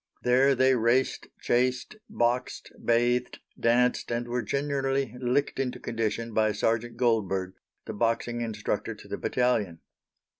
There they raced, chased, boxed, bathed, danced, and were generally licked into condition by Sergeant Goldberg, the boxing instructor to the battalion.